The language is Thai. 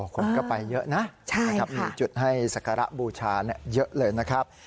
คนก็ไปเยอะนะมีจุดให้สักการะบูชาเยอะเลยนะครับ